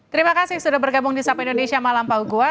terima kasih sudah bergabung di sapa indonesia malam pak ugua